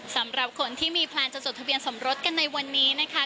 สำหรับคนที่มีแพลนจะจดทะเบียนสมรสกันในวันนี้นะคะ